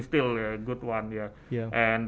masih adalah tempat yang bagus